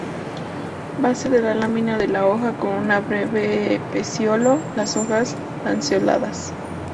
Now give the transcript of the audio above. Base de la lámina de la hoja con un breve peciolo; las hojas lanceoladas.